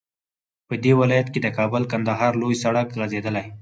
په دې ولايت كې د كابل- كندهار لوى سړك غځېدلى